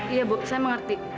iya bu saya mengerti